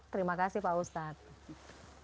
terima kasih pak ustadz